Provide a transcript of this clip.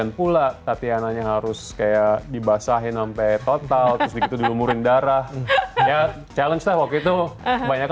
ini syutingnya sudah tudo gimana william